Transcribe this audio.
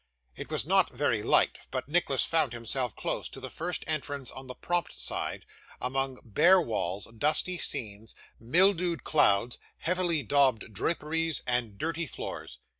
It was not very light, but Nicholas found himself close to the first entrance on the prompt side, among bare walls, dusty scenes, mildewed clouds, heavily daubed draperies, and dirty floors.